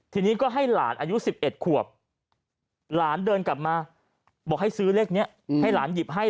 ทีนี้ก็ให้หลานอายุ๑๑ขวบหลานเดินกลับมาบอกให้ซื้อเลขนี้ให้หลานหยิบให้